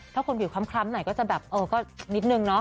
ถ้าคนผิวคล้ำหน่อยก็จะแบบเออก็นิดนึงเนาะ